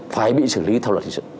phải bị xử lý